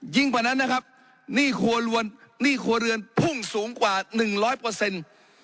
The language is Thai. กว่านั้นนะครับหนี้ครัวเรือนหนี้ครัวเรือนพุ่งสูงกว่าหนึ่งร้อยเปอร์เซ็นต์